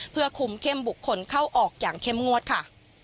เพื่อคุมเข้มบุคคลเข้าออกอย่างเข้มงวดค่ะ